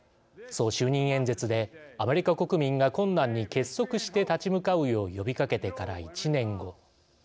そう就任演説でアメリカ国民が困難に結束して立ち向かうよう呼びかけてから１年後。